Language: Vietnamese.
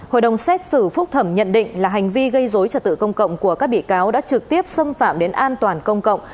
hội đồng xét xử phúc thẩm nhận định là hành vi gây dối trật tự công cộng của các bị cáo đã trực tiếp xâm phạm đến an toàn công cộng